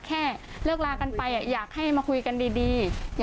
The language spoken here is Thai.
แค่เลิกลากันไปอยากให้มาคุยกันดี